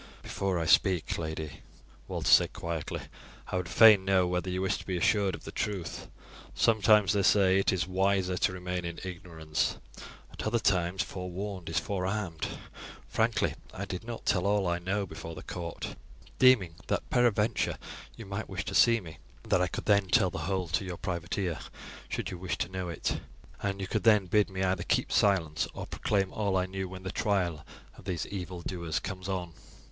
"Before I speak, lady," Walter said quietly, "I would fain know whether you wish to be assured of the truth. Sometimes, they say, it is wiser to remain in ignorance; at other times forewarned is forearmed. Frankly, I did not tell all I know before the court, deeming that peradventure you might wish to see me, and that I could then tell the whole to your private ear, should you wish to know it, and you could then bid me either keep silence or proclaim all I knew when the trial of these evil doers comes on."